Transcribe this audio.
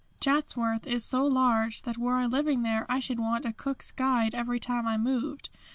"Chatsworth is so large that were I living there I should want a Cook's guide every time I moved.